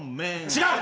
違う！